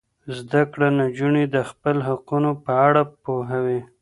زده کړه نجونې د خپل حقونو په اړه پوهوي.